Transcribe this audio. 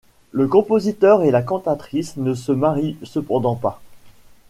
Le compositeur et la cantatrice ne se marient cependant pas.